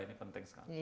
ini penting sekali